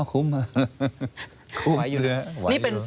คุ้มด้วยไว้อยู่ด้วย